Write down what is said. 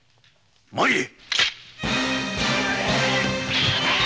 参れ！